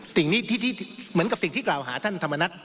ที่เหมือนกับสิ่งที่กล่าวหาท่านธรรมนัฐ